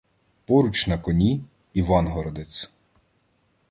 Поруч на коні — івангородець.